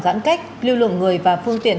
giãn cách lưu lượng người và phương tiện